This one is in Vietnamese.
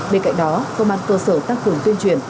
bên cạnh đó công an cơ sở tăng cường tuyên truyền